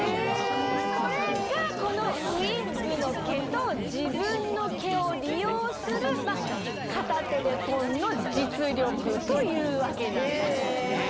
これがこのウィッグの毛と自分の毛を利用する片手でポン‼の実力というわけなんです。